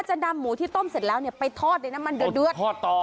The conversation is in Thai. จะนำหมูที่ต้มเสร็จแล้วเนี่ยไปทอดในน้ำมันเดือดทอดต่อ